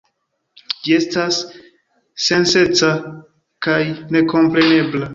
Ĝi estas sensenca kaj nekomprenebla.